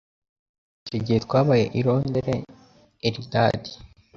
Icyo gihe twabaye i Londres. (Eldad)